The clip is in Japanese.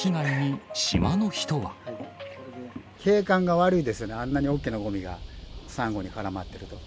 景観が悪いですよね、あんなに大きなごみがサンゴに絡まってると。